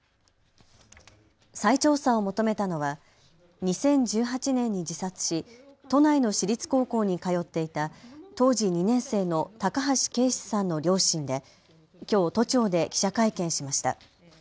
再調査を求めたのは２０１８年に自殺し都内の私立高校に通っていた当時２年生の高橋勁至さんの両親できょう都庁で記者会見しました。